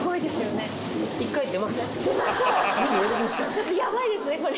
ちょっとヤバいですねこれ。